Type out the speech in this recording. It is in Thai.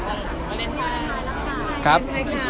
วาเลนไทยครับ